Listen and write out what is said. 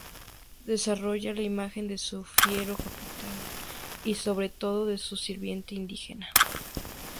Desarrolla la imagen de un fiero capitán y, sobre todo, de su sirviente indígena.